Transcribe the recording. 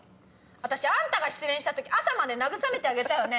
私あんたが失恋した時朝までなぐさめてあげたよね。